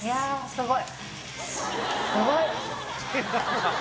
すごい。